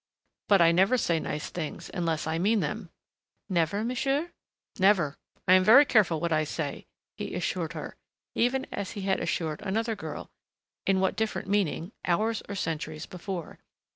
"But I never say nice things unless I mean them!" "Never monsieur?" "Never. I am very careful what I say," he assured her, even as he had assured another girl, in what different meaning, hours or centuries before.